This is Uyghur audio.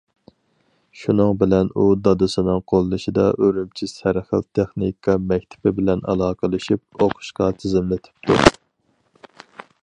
شۇنىڭ بىلەن ئۇ دادىسىنىڭ قوللىشىدا ئۈرۈمچى سەرخىل تېخنىكا مەكتىپى بىلەن ئالاقىلىشىپ، ئوقۇشقا تىزىملىتىپتۇ.